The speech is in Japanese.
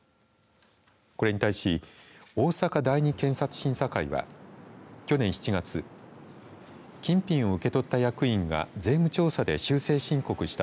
これに対し大阪第２検察審査会は去年７月金品を受け取った役員が税務調査で修正申告した